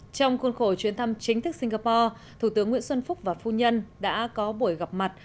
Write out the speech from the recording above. trong khuôn khổ chuyến thăm chính thức singapore thủ tướng nguyễn xuân phúc và phu nhân đã có buổi gặp mặt